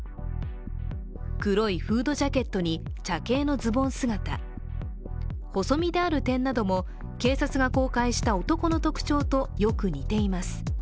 黒いフードジャケットに茶系のズボン姿、細身である点なども警察が公開した男の特徴とよく似ています。